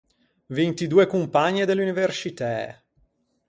Vinti doe compagne de l’universcitæ.